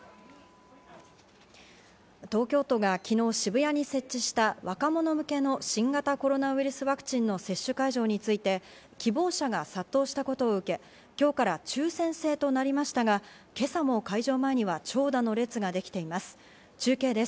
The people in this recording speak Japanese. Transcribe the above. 東京都が昨日、渋谷に設置した若者向けの新型コロナウイルスワクチンの接種会場について希望者が殺到したことを受け、今日から抽選制となりましたが、今朝も会場前には長蛇の列ができています。